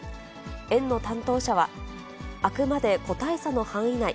園の担当者は、あくまで個体差の範囲内。